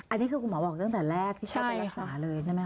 อันนี้คือคุณหมอบอกตั้งแต่แรกที่เข้าไปรักษาเลยใช่ไหมค